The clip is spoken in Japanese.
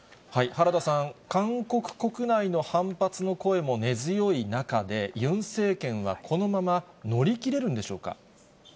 原田さん、韓国国内の反発の声も根強い中で、ユン政権は、このまま乗り切れるんでしょうか。